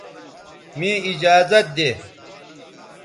مے ایجازت دے